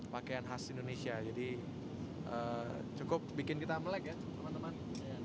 pakaian khas indonesia jadi cukup bikin kita melek ya teman teman